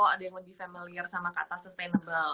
ada yang lebih familiar sama kata sustainable